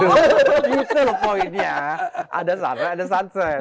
itu loh poinnya ada sunrise ada sunset